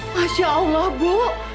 masya allah bu